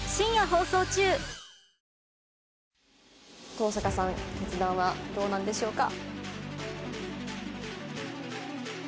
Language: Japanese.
東坂さん決断はどうなんでしょうか？